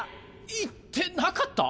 言ってなかった？